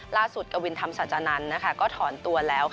ล่าสุดกวินธรรมนนำทอนตัวแล้ว